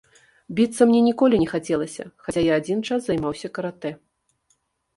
Біцца мне ніколі не хацелася, хаця я адзін час займаўся каратэ.